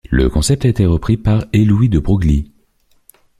Le concept a été repris par et Louis de Broglie.